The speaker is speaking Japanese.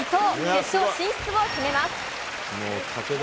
決勝進出を決めます。